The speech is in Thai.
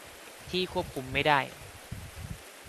ที่ควบคุมไม่ได้